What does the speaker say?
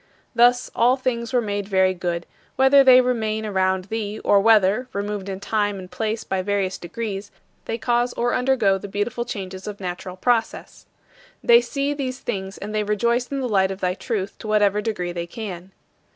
Thus, all things were made very good, whether they remain around thee or whether, removed in time and place by various degrees, they cause or undergo the beautiful changes of natural process. They see these things and they rejoice in the light of thy truth to whatever degree they can.